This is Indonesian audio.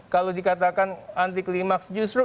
kalau dikatakan anti klimaks justru